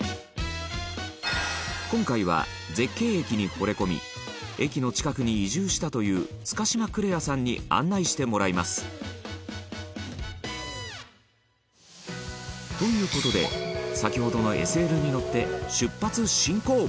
今回は、絶景駅に惚れ込み駅の近くに移住したという塚島クレアさんに案内してもらいますという事で先ほどのＳＬに乗って出発進行